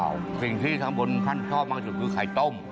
วิ่งที่ทั้งบนท่านชอบการทำมีขายต้ม